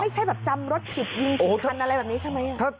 ไม่ใช่แบบจำรถผิดยิงผิดคันอะไรแบบนี้ใช่ไหม